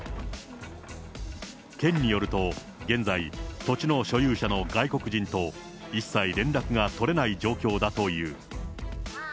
県によると、現在、土地の所有者の外国人と一切連絡が取れない状況だという。